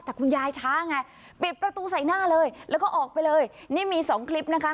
แต่คุณยายช้าไงปิดประตูใส่หน้าเลยแล้วก็ออกไปเลยนี่มีสองคลิปนะคะ